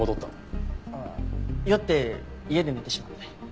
ああ酔って家で寝てしまって。